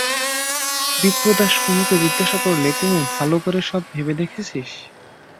বিপ্রদাস কুমুকে জিজ্ঞাসা করলে, কুমু, ভালো করে সব ভেবে দেখেছিস?